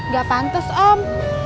gak pantes om